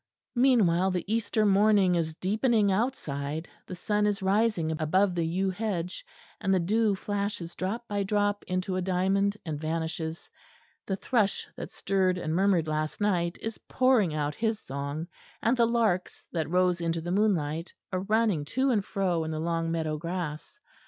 Meanwhile the Easter morning is deepening outside; the sun is rising above the yew hedge, and the dew flashes drop by drop into a diamond and vanishes; the thrush that stirred and murmured last night is pouring out his song; and the larks that rose into the moonlight are running to and fro in the long meadow grass.